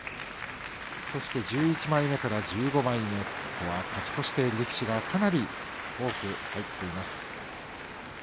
１１枚目から１５枚目勝ち越している力士がかなり多く入っています。